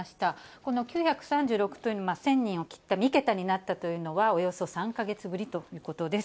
この９３６というのは、１０００人を切った３桁になったというのは、およそ３か月ぶりということです。